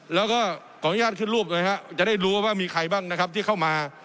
แล้วก็ขออนุญาตขึ้นรูปหน่อยครับจะได้รู้ว่ามีใครบ้างนะครับที่เข้ามา